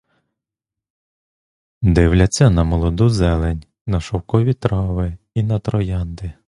Дивляться на молоду зелень, на шовкові трави і на троянди.